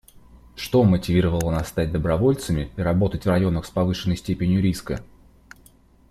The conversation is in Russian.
Что мотивировало нас стать добровольцами и работать в районах с повышенной степенью риска?